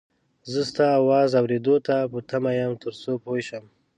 زه ستا اواز اورېدو ته په تمه یم تر څو پوی شم